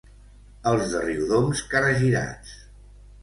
Els de Riudoms, caragirats.